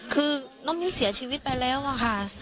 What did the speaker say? คือน้องมิ้นเสียชีวิตไปแล้วอะค่ะ